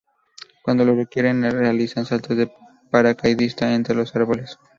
Cuando lo requieren realizan saltos de paracaidista entre los árboles.